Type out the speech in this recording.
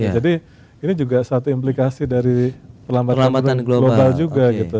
jadi ini juga satu implikasi dari perlambatan global juga gitu